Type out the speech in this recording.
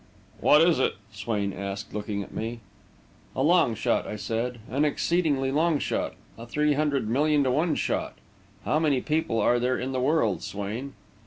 "What is it?" Swain asked, looking at me. "A long shot," I said. "An exceedingly long shot a three hundred million to one shot. How many people are there in the world, Swain?"